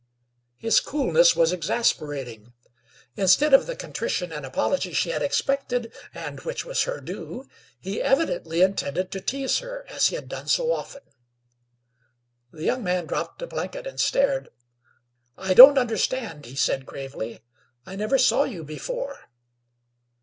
His coolness was exasperating. Instead of the contrition and apology she had expected, and which was her due, he evidently intended to tease her, as he had done so often. The young man dropped a blanket and stared. "I don't understand," he said, gravely. "I never saw you before."